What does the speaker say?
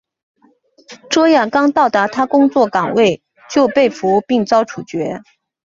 卓娅刚到达她工作岗位就被俘并遭处决。